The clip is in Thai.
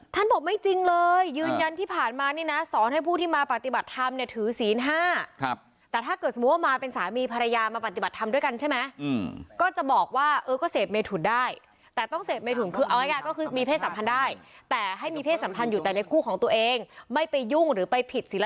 ท่านบอกไม่จริงเลยยืนยันที่ผ่านมันนี่นะสอนให้ผู้ที่มาปฏิบัติธรรมเนี่ยถือศีล๕